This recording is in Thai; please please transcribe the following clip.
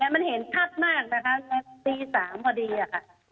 มันเห็นชัดมากนะคะตี๓พอดีค่ะ